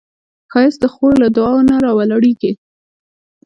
ښایست د خور له دعاوو نه راولاړیږي